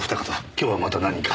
今日はまた何か？